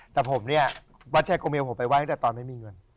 แต่ผมเนี่ยวัดชัยโกเมลผมไปไห้ตั้งแต่ตอนไม่มีเงิน